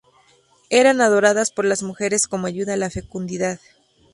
Eran adoradas por las mujeres como ayuda a la fecundidad.